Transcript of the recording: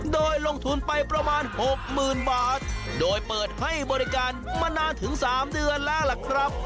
โดยลงทุนไปประมาณหกหมื่นบาทโดยเปิดให้บริการมานานถึง๓เดือนแล้วล่ะครับ